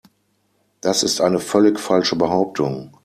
Das ist eine völlig falsche Behauptung.